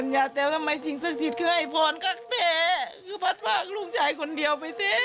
แล้วมีสิ่งศักดิ์สิทธิศของไอพรครักแท้พรรดลูกชายคนเดียว